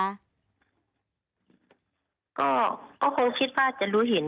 ก็คงคิดว่าจะรู้เห็น